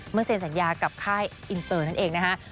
เซ็นสัญญากับค่ายอินเตอร์นั่นเองนะฮะ